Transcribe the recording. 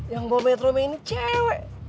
yang bawa metromen ini cewe